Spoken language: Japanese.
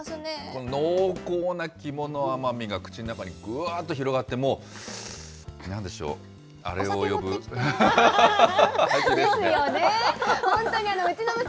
この濃厚な肝の甘みが、口の中にぶわーっと広がって、もう、なんでしょう、あれを呼ぶ。